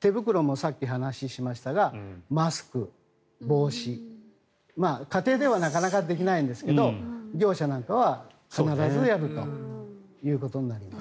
手袋もさっき話をしましたがマスク、帽子家庭ではなかなかできないですが業者なんかは必ずやるということになります。